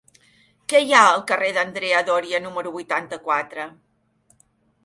Què hi ha al carrer d'Andrea Doria número vuitanta-quatre?